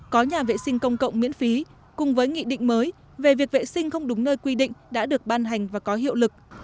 có nhà vệ sinh công cộng miễn phí cùng với nghị định mới về việc vệ sinh không đúng nơi quy định đã được ban hành và có hiệu lực